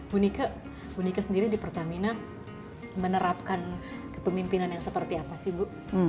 bunike bunike sendiri di pertamina menerapkan kepemimpinan yang seperti apa sih bu